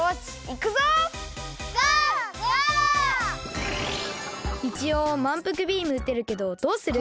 いちおうまんぷくビームうてるけどどうする？